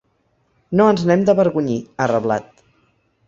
No ens n’hem d’avergonyir, ha reblat.